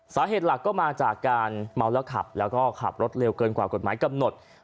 สาเหตุหลักก็มาจากการเมาแล้วขับแล้วก็ขับรถเร็วเกินกว่ากฎหมายกำหนด